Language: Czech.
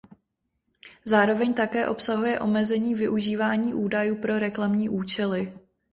Zároveň také obsahuje omezení využívání údajů pro reklamní účely.